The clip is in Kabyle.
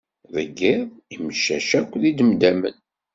Deg yiḍ, imcac akk d idemdamen.